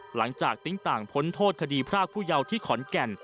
หลังจากติ้งต่างพ้นโทษคดีพระพุยาวที่ขอนแก่น